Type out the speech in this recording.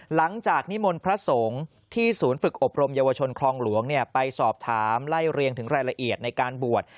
หลังจากนิมนต์พระสงฆ์ที่ศูนย์ฝึกอบรมเยาวชนคลองหลวงไปสอบถามไล่เรียงถึงรายละเอียดในการบวช